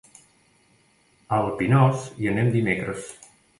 A el Pinós hi anem dimecres.